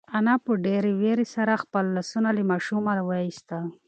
انا په ډېرې وېرې سره خپل لاسونه له ماشومه وایستل.